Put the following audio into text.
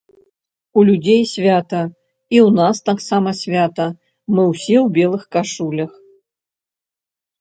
У людзей свята, і ў нас таксама свята, мы ўсе ў белых кашулях.